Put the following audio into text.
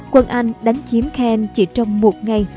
quân anh đánh chiếm caen chỉ trong một ngày